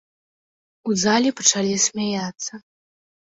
У зале пачалі смяяцца.